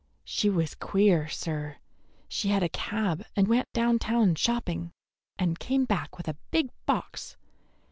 She was queer, sir. She had a cab and went down town shopping, and came back with a big box.